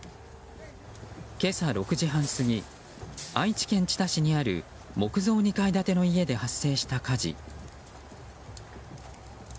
今朝６時半過ぎ愛知県知多市にある木造２階建ての家で発生した火事。